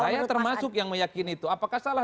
saya termasuk yang meyakini itu apakah salah